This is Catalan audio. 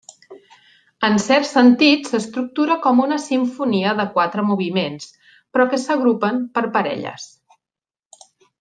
En cert sentit, s'estructura com una simfonia de quatre moviments, però que s'agrupen per parelles.